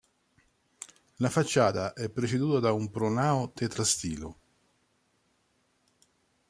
La facciata è preceduta da un pronao tetrastilo.